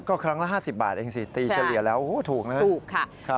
ก็ครั้งละ๕๐บาทเองสิตีเฉลี่ยแล้วถูกนะครับถูกค่ะ